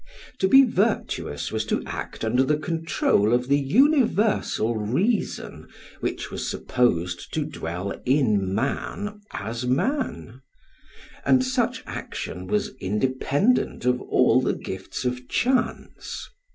To be virtuous was to act under the control of the universal reason which was supposed to dwell in man as man; and such action was independent of all the gifts of chance.